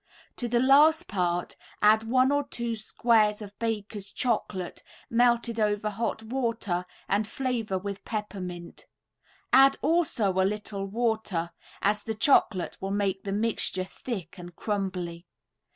To the last part add one or two squares of Baker's Chocolate, melted over hot water, and flavor with peppermint. Add also a little water, as the chocolate will make the mixture thick and crumbly.